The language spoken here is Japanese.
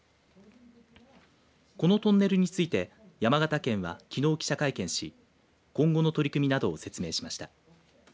このトンネルについて山形県はきのう、記者会見し今後の取り組みなどを説明しました。